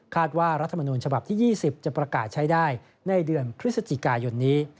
ว่ารัฐมนูลฉบับที่๒๐จะประกาศใช้ได้ในเดือนพฤศจิกายนนี้